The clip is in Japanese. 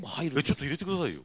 ちょっと入れて下さいよ。